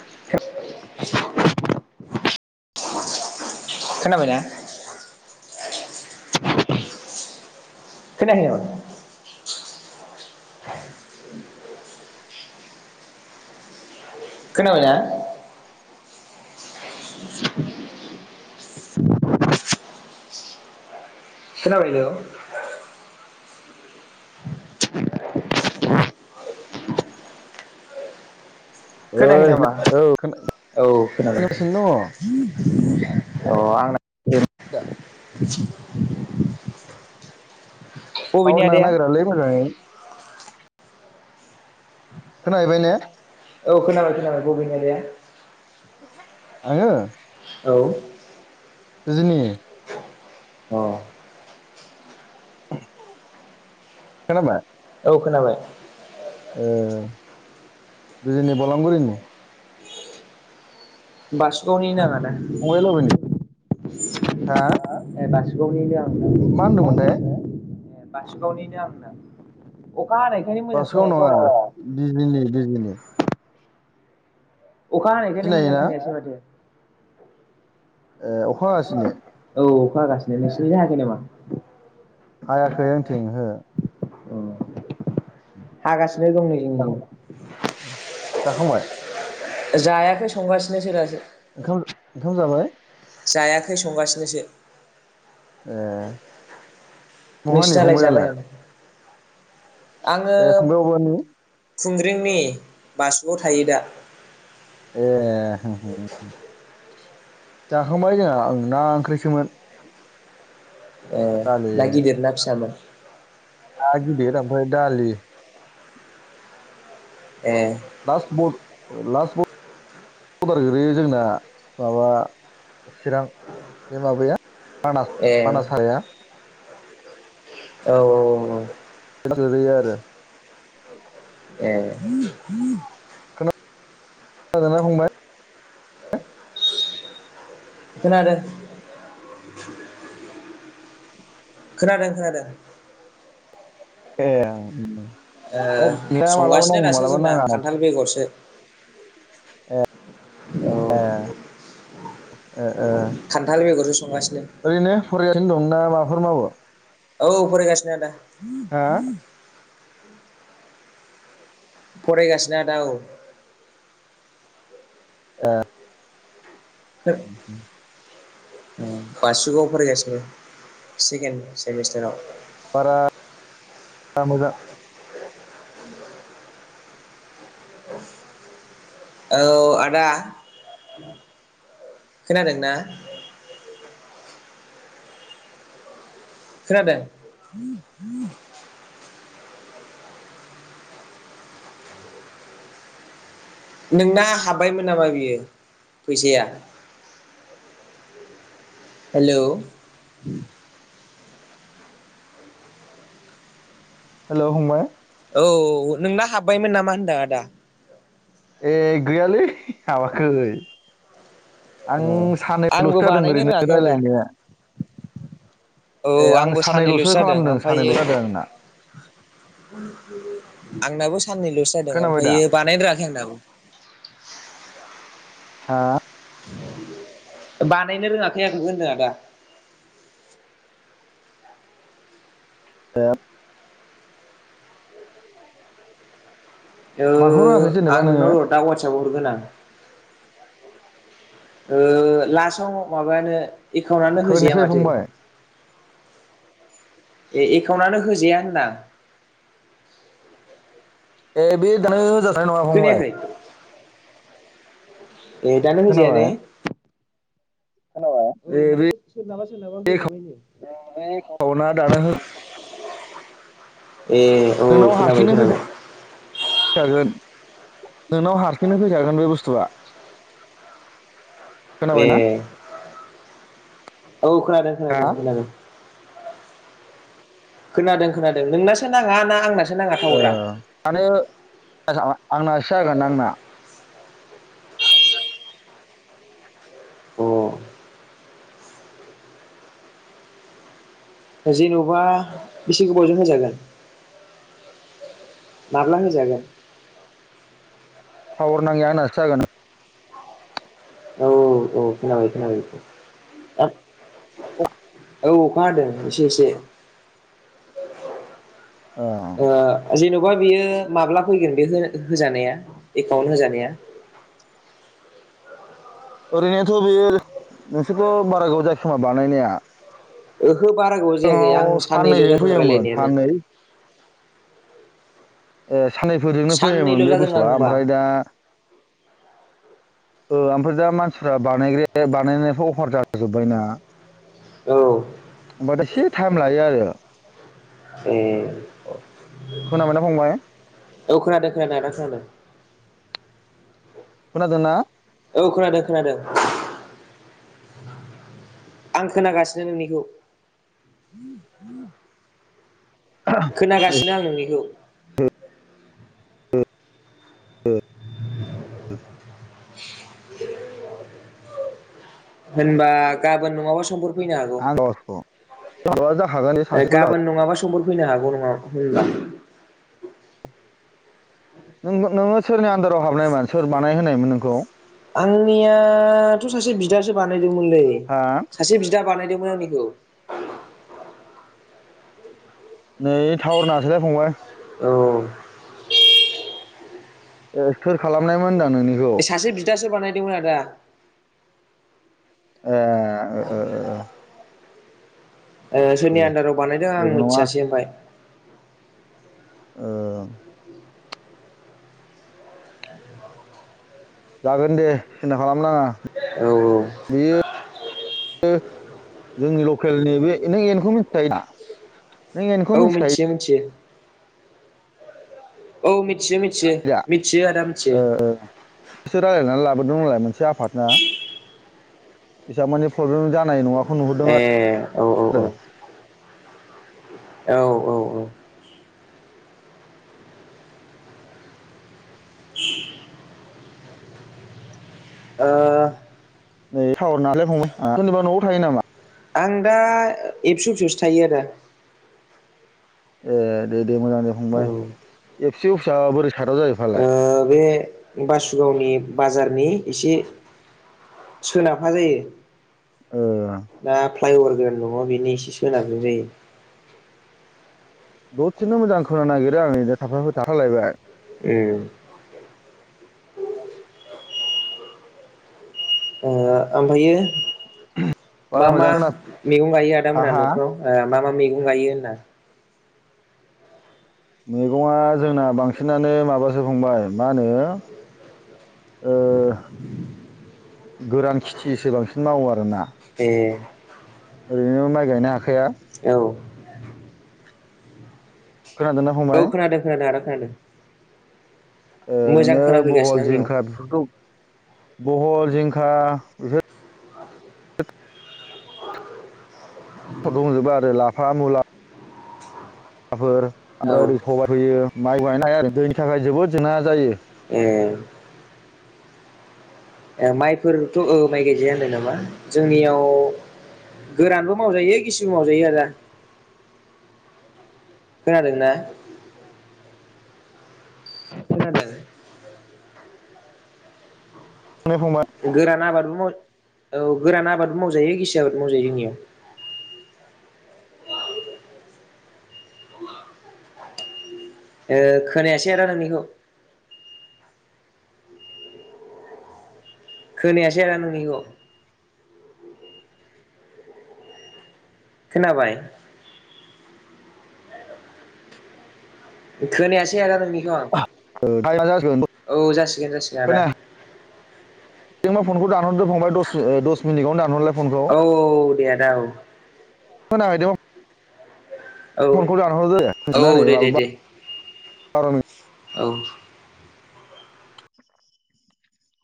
[unintelligible] खोनाबाय ना। खोनायाखै नामा। खोनाब ना। [unintelligible] खोनाबाय हेलौ खोनायाखै ओइ नामा औ औ खोनादों। खोनागासिनो दङ औ आं [inaudible] [inaudible] दा टावार नांनो आदाया? नागिरालै मोजाङै। खोनाहैबाय ने। औ खोनाबाय खोनाबाय बबेनि आदाया? आङो। औ जोंनि औ खोनाबाय। औ खोनाबाय। ए बिजनि बलांगुरिनि। बासुगावनि आंहा। फंबाय लाबोनि [unintelligible] हा। [unintelligible] [unintelligible] मा मा होनदोंमोनथाय होनदों नोङो बासुगावनिनो आं होनदों। बासुगाव नङा बिजनि, बिजनि। अखा हानायखायनो मोजां सिनायोना खोनायाखिसै माथो। ए अखा हागासिनो? औ अखा हागासिनो नोंसिनिथिं हायाखै नामा? हायाखै आंनिथिं ओङो अ हागासिनो दं नै जोंनिथिं। जाखांबाय जायाखै संगासिनोसो दासो। ओंखाम ओंखाम जाबाय? जायाखै संगासिनोसो। ए बहानि नोंसिनालाय फंबायालाय जाबाय ना? ए फंबाया बहानि? खुंग्रिंनि बासुगआव थायो दा। ए जाखांबाय जोंहा ना ओंख्रिसोमोन। ए दालि ना गिदिरना ना फिसामोन? ना गिदिर ओमफ्राय दालि। ए दास म [unintelligible] लास्ट बरडार गोलैयो जोंना माबा चिरां बे माबाया मानास ए मानास हाया। औ औ औ औ। [unintelligible] ए। मोजां ना फंबाय? खोनादों। खोनादों खोनादों। ए। ए नोंना मालाबा संगासिनो नाङो दासो मालाबा जोंना नाङा खान्थाल बेगरसो। औ ए। ए खान्थाल बेगरजों संगासिनो। ओरैनो फरायगासिनो दं ना माबाफोर मावो? औ फरायगासिनो आदा। हा [inaudible] फरायगासिनो आदा औ। ए। [inaudible] बासुगावआव फरायगासिनो सेकेण्ड सेमिस्टाराव। बारा मोजां औ आदा खोनादों ना? खोनादों? नोंना हाब्बायमोन नामा बियो फैसाया? हेल'। हेल' फंबाय। औ औ नोंना हाब्बायमोन नामा होनदां आदा? ए गैयालै हाबाखै। अ आं आंबो सानैल'सो जादों बानायनो ओरैनो रोङाखै आदा रायलायनाया औ ए आं आंबो साननैल'सो सानैल'सो जादों खालामदों ओमफ्रायो सानैल'सो जादों आंना। आंनाबो साननैल'सो जादों खोनाबाय दा ओमफायो बानायनो रोङाखै आं दाबो। हा? बानायनो रोङाखै आंबो होनदों आदा। ओब ओ माखौ रोङाखै आं जेनेबा नोङो नोंनाव दा वाटसाबाव हर गोनां ओ लासआव माबानो एकाउन्टानो होजाया खोनायासै माथो फंबाय? ए एकाउन्टानो होजाया होनदां ए बे दानो होजा नाय नङा फंबाय खोनायाखै ए दानो होजायाने खोनाबाय खोनाबाय? औ ए माने बे सोरनाबा सोरनाबा होजाबाय नो दा माने खावना दानो एकाउन्ट हो ए औ नोंनाव खोनाबाय हारसिंनो खोनाबाय। अ नोंनाव हारसिंनो फैखागोन बे बुस्थुआ ए खोनाबायना औ खोनादों हा खोनादों खोनादों। खोनादों खोनादों नोंनासो नाङा ना आंनास ओ माने [unintelligible] आंना सागोन आंना अ जेनावबा बेसे गोबावजों होजागोन माब्ला होजागोन? थावार नांयिया आंनासो जागोन। औ औ खोनाबाय खोनाबाय आ औ औ खोनादों एसे एसे औ औ ओ जेन'ब खौहाय बेयो माब्ला फैगोन बे होजा होजानाया एकाउन्ट होजानाया? ओरैनोथ' बेयो नोंसोरथ' बारा गोबाव जायाखै खोमा बानायनाया? ओहो बारा गोबाव जायाखै आं सिगाङाव साननैल' साननैजों जादों फैयोमोन रायलायनायानो। साननै ए साननैफोरजोंनो साननैल' फैयोमोन बे जादों आं बुस्थुआ होनबा ओमफ्राय दा ओ ओमफ्राय दा मानसिफ्रा बानायग्राया बानायनायाथ' अभार जाजोबबाय ना? औ ओनबा दा एसे टाइम लायो आरो उम खोनाबाय ना फंबाय? औ खोनादों खोनादों आदा खोनादों। खोनादोना? औ खोनादों खोनादों आं खोनागासिनो नोंनिखौ। खोनागासिनो आं। नोंनिखौ औ औ। [inaudible] होनबा गाबोन नङाबा समफोर फैनो हागौ [unintelligible] [unintelligible] साक्सेसफुल जागोन गाबोन नङाबा समफोर फैनो हागौ नोंना- [inaudible] नों नोङो सोरनि आन्दाराव हाबनायमोन सोर बानायहोनायमोन नोंखौ? आंनियाथ' सासे बिदासो बानाय दोंमोनलै हा सासे बिदा बानायदों [unintelligible] नै टावारनाङासैलाय फंबाय। औ। ए सोर खालामनायमोन होनदां? नोंनिखौ सासे बिदासो बानायदोंमोन आदा। ओ आ ओ ओ ओ सोरनि दे आन्दाराव बानायदों आं जेबो नङा मिथियासै ओमफाय ओ जागोन दे सिन्था खालामनाङा औ बियो जोंनि लकेलनि बे नों एनखौ मिथियाखै दा नों एनखौ औ मिथिखायो मिथियो मिथियो औ मिथ थियो मिथियो दा मिथियो आदा मिथियो दों नालाय मोनसे आफाद ना इसांमानि फ्रब्लेम जानाय नोङाख ए औ औ औ औ औ औ नै टावर नाङासैलै फंबाय ओ सोरनिबा न'आव थायो नामा? आं दा एबसु अफिसावसो थायो आदा ए दे दे मोजां दे फंबाय औ एबसु अफिसा बोरै सादाव जायो फालाय ओ बे बासुगावनि बाजारनि एसे सोनाबहा जायो। ओ फ्लाइबार गोदान दङ बेनि इसे सोनाबजों जायो। ददसेनो मोजां खोनानो नागिरो आं [unintelligible] थालायबाय ए दा ओमफायो मा बारा मा मोजां खोना मेगं गायो आदा हा मोना हा न'फ्राव ओ मा मा मैगं गायो होनदां मैगङा जोंना बांसिनानो माबासो फंबाय मा होनो ओ गोरान खेथिसो बांसिन मावो आरो ना ए ओरैनो माइ गायनो हाखाया। औ। खोनादोंना औ फंबाय खोनादों खोनादों आदा। खोनादों। मोजां ओरैनो खोनाफैगासिनो बहल आंनियाव जिंखा बेफोरखौ बहल जिंखा बेफोर दंजोबो आरो लाफा मुला माफोर ओमफ्राय औ ओरै सबाय फोयो। माइबो गायनायनो हाया आरो दैनि थाखाय जोबोद जेंना जायो। ए ओ ओ माइफोरथ' ओ माइ गायजाया होनदों नामा जोंनियाव गोरानबो मावजायो गिसिबो मावजायो आदा खोनादोंना? खोनादों। फंबाय गोरान आबादबो माव औ गोरान आबादबो मावजायो गिसि आबादबो मावजायो जोंनिया। ओ खोनायासै आदा नोंनिखौ। खोनायासै आदा नोंनिखौ। खोनाबाय। खोनायासै आदा नोंनि ओ टाइमा जासिगोन [unintelligible] औ जासिगोन जासिगोन आदा। जों मा फनखौ दानहरदो फांबाय दस ओ दस निटआवनो दानहरलाय। फनखौ औ औ दे आदा औ। खोनाबाय दं। औ फनखौ दानहरदो दे औ दे दे दे [unintelligible] [unintelligible] औ।